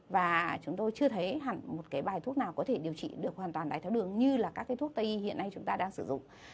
và chúng tôi chưa thấy hẳn một cái bài thuốc nào có thể điều trị được hoàn toàn đáy tháo đường như là các cái thuốc tây y hiện nay chúng ta đang sử dụng